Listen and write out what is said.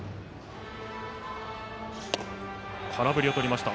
空振りをとりました。